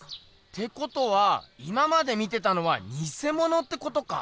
ってことは今まで見てたのはにせものってことか？